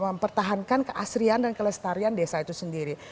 mempertahankan keasrian dan kelestarian desa itu sendiri